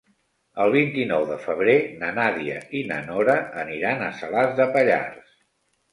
El vint-i-nou de febrer na Nàdia i na Nora aniran a Salàs de Pallars.